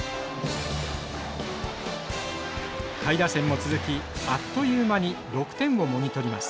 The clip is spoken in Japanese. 下位打線も続きあっという間に６点をもぎ取ります。